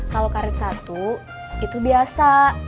kalau karit satu itu biasa